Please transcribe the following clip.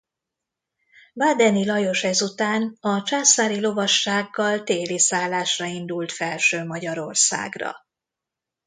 Badeni Lajos ezután a császári lovassággal téli szállásra indult Felső-Magyarországra.